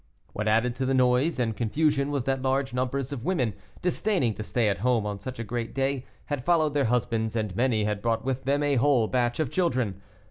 What added to the noise and confusion was that large numbers of women, disdaining to stay at home on such a great day, had followed their husbands, and many had brought with them a whole batch of children.